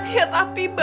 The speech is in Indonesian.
ya tapi bah